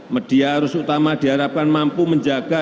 media arus utama diharapkan mampu menjaga